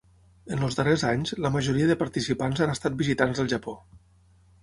En els darrers anys, la majoria de participants han estat visitants del Japó.